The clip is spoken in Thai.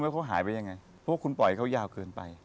แต่เขาตัดได้มั้ยอันนี้อย่างนี้อย่างนี้อย่างนี้